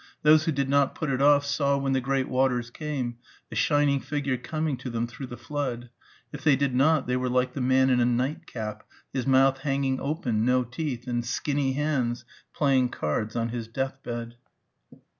Those who did not put it off saw when the great waters came, a shining figure coming to them through the flood.... If they did not they were like the man in a night cap, his mouth hanging open no teeth and skinny hands, playing cards on his death bed.